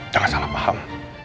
jangan salah paham